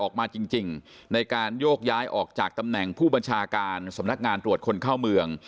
ออกมาจริงในการโยกย้ายออกจากตำแหน่งผู้บัญชาการสำนักงานตรวจคนเข้าเมือง